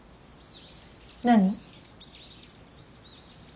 何？